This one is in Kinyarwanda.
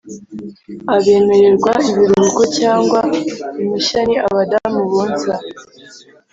abemererwa ibiruhuko cyangwa impushya ni abadamu bonsa